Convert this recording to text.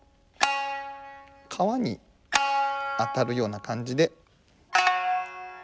皮に当たるような感じで。